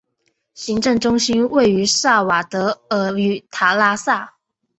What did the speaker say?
行政中心位于萨瓦德尔与塔拉萨。